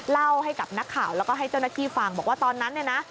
เล่าให้กับนักข่าวแล้วก็ให้เจ้านักขี้ฟังบอกว่าตอนนั้น